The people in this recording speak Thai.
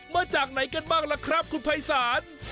มาจากไหนกันบ้างล่ะครับคุณภัยศาล